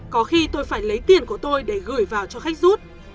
có khi tôi phải lấy tiền của tôi để gửi vào cho khách rút